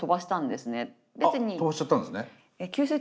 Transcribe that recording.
あ飛ばしちゃったんですね。